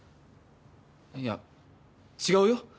いや違うよ。